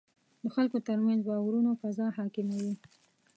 د خلکو ترمنځ باورونو فضا حاکمه وي.